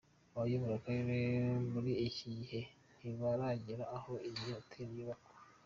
Abayobora akarere muri iki gihe ntibaragera aho iyo hoteli yubakwa